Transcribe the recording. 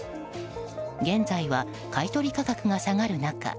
現在は買い取り価格が下がる中